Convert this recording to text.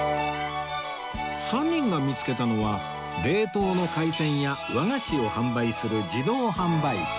３人が見つけたのは冷凍の海鮮や和菓子を販売する自動販売機